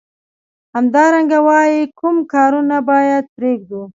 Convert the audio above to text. همدارنګه وايي کوم کارونه باید پریږدو.